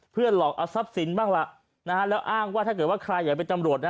เพื่อหลอกเอาทรัพย์สินบ้างล่ะแล้วอ้างว่าถ้าเกิดว่าใครอยากเป็นตำรวจนะ